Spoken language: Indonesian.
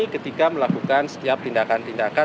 ketika melakukan setiap tindakan tindakan